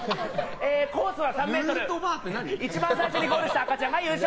コースは３ｍ一番最初にゴールした赤ちゃんが優勝。